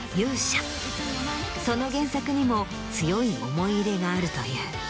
その原作にも強い思い入れがあるという。